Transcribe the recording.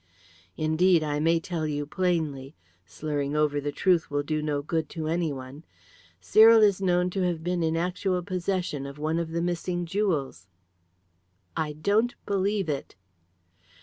Indeed, I may tell you plainly slurring over the truth will do no good to any one Cyril is known to have been in actual possession of one of the missing jewels." "I don't believe it."